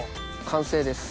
完成です。